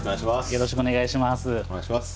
よろしくお願いします。